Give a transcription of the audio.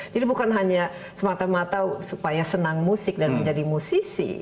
jadi bukan hanya semata mata supaya senang musik dan menjadi musisi